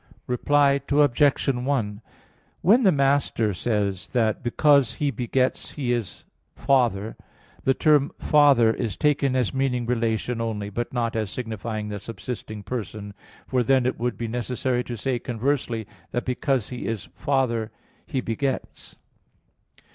Reply Obj. 1: When the Master says that "because He begets, He is Father," the term "Father" is taken as meaning relation only, but not as signifying the subsisting person; for then it would be necessary to say conversely that because He is Father He begets.